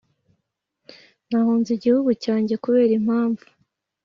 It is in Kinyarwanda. nahunze igihugu cyanjye kubera impamvu